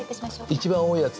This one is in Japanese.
一番多いやつ。